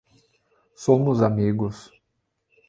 Somos amigos